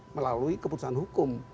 melalui keputusan hukum